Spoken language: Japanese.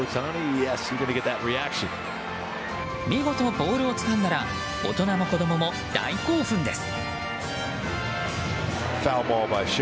見事、ボールをつかんだら大人も子供も大興奮です。